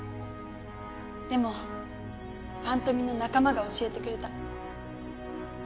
でもファントミの仲間が教えてくれた。